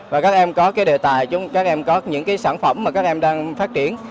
và các em có đề tài các em có những sản phẩm mà các em đang phát triển